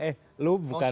eh lu bukan